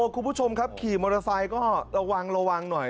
คุณผู้ชมครับขี่มอเตอร์ไซค์ก็ระวังระวังหน่อย